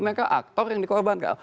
mereka aktor yang dikorbankan